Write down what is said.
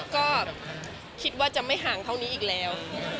ก็คิดว่าจะไม่ห่างเท่านี้อีกแล้ว